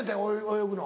泳ぐの。